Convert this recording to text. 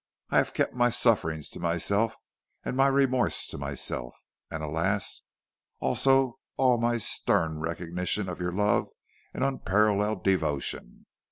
I have kept my sufferings to myself, and my remorse to myself, and alas! also all my stern recognition of your love and unparalleled devotion.